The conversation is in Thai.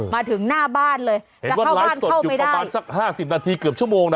มาถึงหน้าบ้านเลยแต่เข้าบ้านเข้าไม่ได้เห็นว่าไลฟ์สดอยู่ประมาณสัก๕๐นาทีเกือบชั่วโมงน่ะ